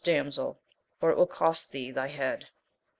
damsel, for it will cost thee thy head.